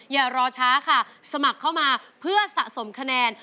อย่ารอช้าค่ะสมัครเข้ามาเพื่อสะสมคะแนน